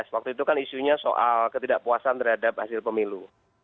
waktu itu kan isunya soal ketidakpuasan terhadap hasil pemilu